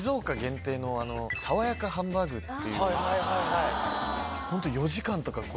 さわやかハンバーグっていう。